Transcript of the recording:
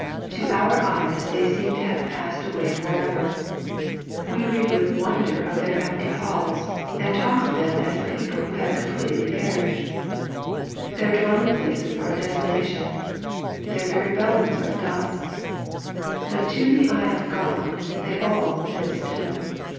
To our eyes they seem to have passed away forever. We read with wonder of their empty halls, and talk of them as a people who have completely perished. Their dwelling places are a desolation. Their very bones are dust. But to the eye of God they all live still.